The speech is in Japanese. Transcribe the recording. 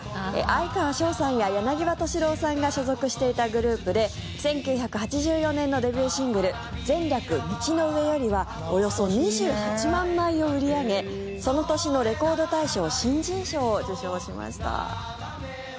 哀川翔さんや柳葉敏郎さんが所属していたグループで１９８４年のデビューシングル「前略、道の上より」はおよそ２８万枚を売り上げその年のレコード大賞新人賞を受賞しました。